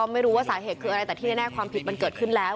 ไม่รู้ว่าสาเหตุคืออะไรแต่ที่แน่ความผิดมันเกิดขึ้นแล้ว